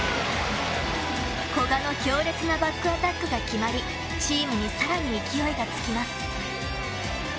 古賀の強烈なバックアタックが決まりチームにさらに勢いがつきます。